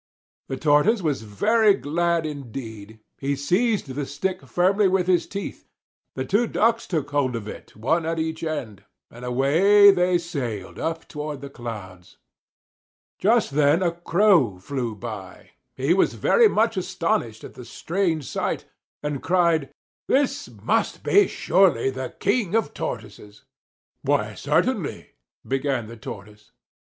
The Tortoise was very glad indeed. He seized the stick firmly with his teeth, the two Ducks took hold of it one at each end, and away they sailed up toward the clouds. Just then a Crow flew by. He was very much astonished at the strange sight and cried: "This must surely be the King of Tortoises!" "Why certainly " began the Tortoise.